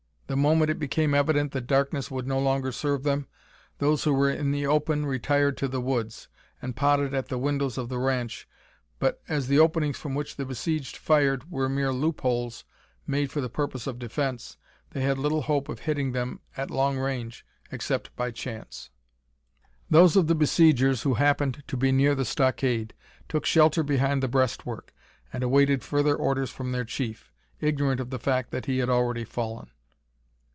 The moment it became evident that darkness would no longer serve them, those who were in the open retired to the woods, and potted at the windows of the ranch, but, as the openings from which the besieged fired were mere loop holes made for the purpose of defence, they had little hope of hitting them at long range except by chance. Those of the besiegers who happened to be near the stockade took shelter behind the breast work, and awaited further orders from their chief ignorant of the fact that he had already fallen.